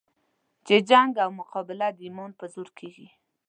چې جنګ او مقابله د ایمان په زور کېږي.